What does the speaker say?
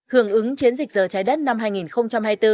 hưởng ứng chiến dịch giờ trái đất năm hai nghìn hai mươi bốn